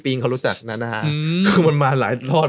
พี่เขาตัด